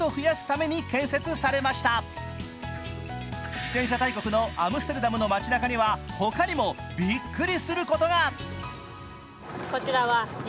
自転車大国のアムステルダムの街なかには他にもびっくりすることが。